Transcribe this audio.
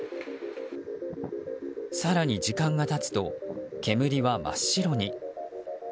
更に時間が経つと煙は真っ白に。